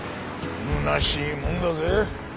空しいもんだぜ。